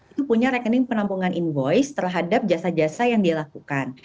itu punya rekening penampungan invoice terhadap jasa jasa yang dia lakukan